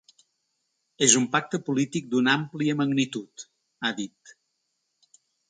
És un pacte polític d’una àmplia magnitud, ha dit.